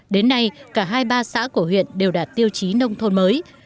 đến nay cả hai ba xã của huyện đều đạt tiêu chí nông thôn mới